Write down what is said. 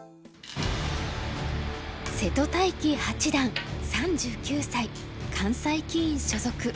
瀬戸大樹八段３９歳関西棋院所属。